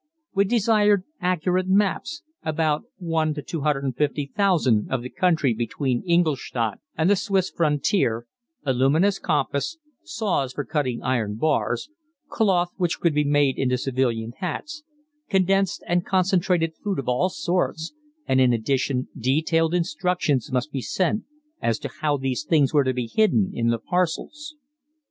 We desired accurate maps about 1:250,000 of the country between Ingolstadt and the Swiss frontier, a luminous compass, saws for cutting iron bars, cloth which could be made into civilian hats, condensed and concentrated food of all sorts, and in addition detailed instructions must be sent as to how these things were to be hidden in the parcels.